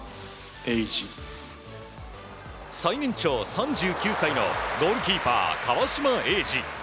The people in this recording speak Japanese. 最年長、３９歳のゴールキーパー、川島永嗣。